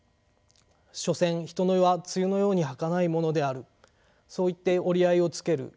所詮人の世は露のようにはかないものであるそういって折り合いをつける。